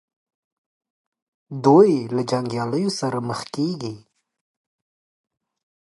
دوی له جنګیالیو سره مخ کیږي.